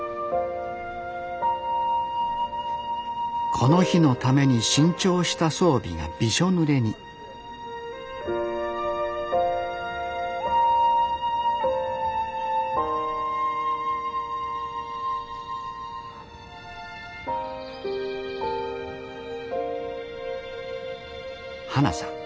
この日のために新調した装備がびしょぬれに花さん